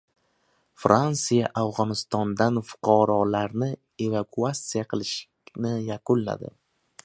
Fransiya Afg‘onistondan fuqarolarni evakuasiya qilishni yakunladi